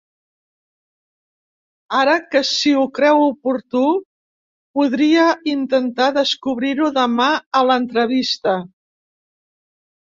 Ara que si ho creu oportú podria intentar descobrir-ho demà, a l'entrevista.